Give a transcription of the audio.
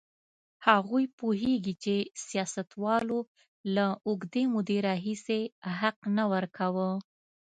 هغوی پوهېږي چې سیاستوالو له اوږدې مودې راهیسې حق نه ورکاوه.